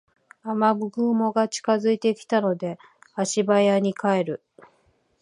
雨雲が近づいてきたので足早に帰る